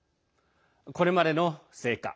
これまでの成果